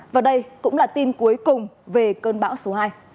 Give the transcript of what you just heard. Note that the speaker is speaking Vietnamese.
và đây cũng là tin cuối cùng về cơn bão số hai